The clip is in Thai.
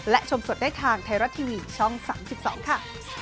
และชมสดได้ทางไทยรัฐทีวีช่อง๓๒ค่ะ